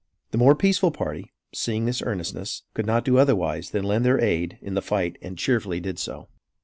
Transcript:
The more peaceful party, seeing this earnestness, could not do otherwise than lend their aid in the fight and cheerfully did so.